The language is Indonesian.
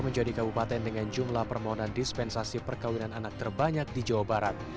menjadi kabupaten dengan jumlah permohonan dispensasi perkawinan anak terbanyak di jawa barat